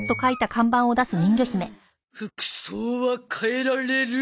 服装は変えられる。